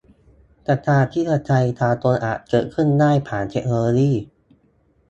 ประชาธิปไตยทางตรงอาจเกิดขึ้นได้ผ่านเทคโนโลยี